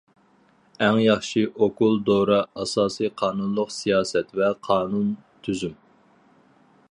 ئەڭ ياخشى ئوكۇل- دورا- ئاساسى قانۇنلۇق سىياسەت ۋە قانۇن- تۈزۈم.